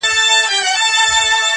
څومره سپک شوی او بې اهمیته شوی دی